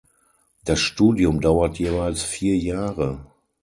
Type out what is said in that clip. Das Studium dauert jeweils vier Jahre.